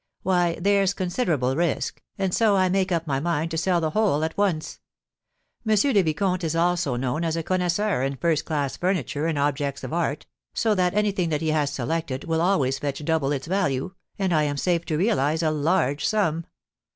"Why, there's considerable risk, and so I make up my mind to sell the whole at once. M. le Vicomte is also known as a connoisseur in first class furniture and objects of art, so that anything that he has selected will always fetch double its value, and I am safe to realise a large sum.